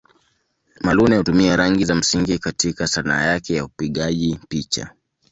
Muluneh hutumia rangi za msingi katika Sanaa yake ya upigaji picha.